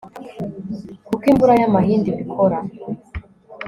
nkuko imvura y'amahindu ibikora